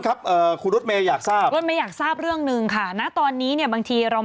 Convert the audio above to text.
คนคุณฮิวอะไรนะครับเป็นดีครับอ๋อตอนนี้ช่วยห้องนอกเราฮะ